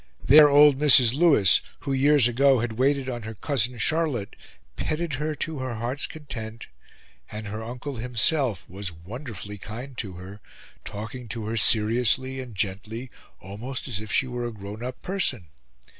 There old Mrs. Louis, who, years ago, had waited on her Cousin Charlotte, petted her to her heart's content; and her uncle himself was wonderfully kind to her, talking to her seriously and gently, almost as if she were a grown up person.